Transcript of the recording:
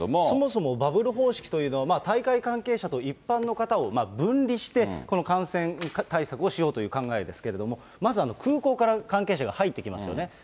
そもそもバブル方式というのは、大会関係者と一般の方を分離して、この感染対策をしようという考えですけれども、まず、空港から関係者が入ってきますよね。